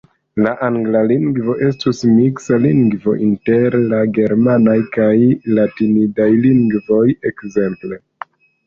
La angla lingvo estus miksa lingvo inter la germanaj kaj latinidaj lingvoj, ekzemple.